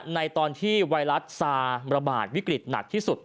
ในตอนที่ไวรัสซาระบาดวิกฤตหนักที่สุด